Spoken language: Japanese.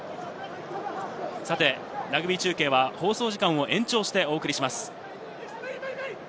ラグビー中継は放送時間を延長してお送りします。